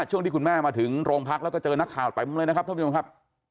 ที่คุณแม่มาถึงโรงพักแล้วก็เจอนักข่าวเต็มเลยนะครับท่านผู้ชมครับ